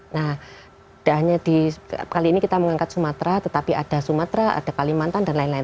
nah kali ini kita mengangkat sumatera tetapi ada sumatera ada kalimantan dan lain lain